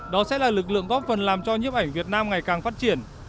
đó sẽ là lực lượng góp phần làm cho nhiếp ảnh việt nam ngày càng phát triển